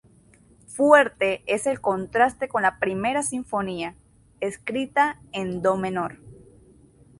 Fuerte es el contraste con la "Primera Sinfonía", escrita en do menor.